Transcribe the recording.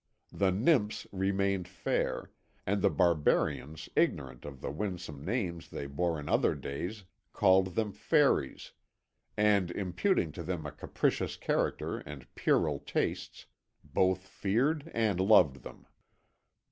The nymphs remained fair, and the barbarians, ignorant of the winsome names they bore in other days, called them fairies, and, imputing to them a capricious character and puerile tastes, both feared and loved them.